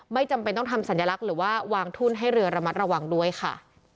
จำเป็นต้องทำสัญลักษณ์หรือว่าวางทุนให้เรือระมัดระวังด้วยค่ะ